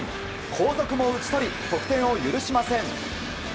後続も打ち取り得点を許しません。